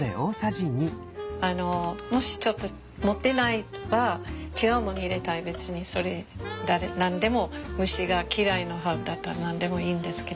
もしちょっと持ってなければ違うもの入れたい別にそれ何でも虫が嫌いなハーブだったら何でもいいんですけど。